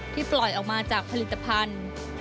ปล่อยออกมาจากผลิตภัณฑ์